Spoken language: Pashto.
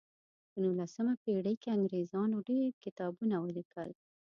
په نولسمه پیړۍ کې انګریزانو ډیر کتابونه ولیکل.